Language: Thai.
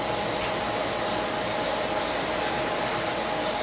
ต้องเติมเนี่ย